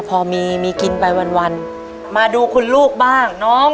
พอมีมีกินไปวันมาดูคุณลูกบ้างน้อง